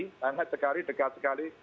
hangat sekali dekat sekali